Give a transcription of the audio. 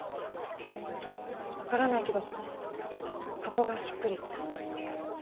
分からないけどここがしっくりきた。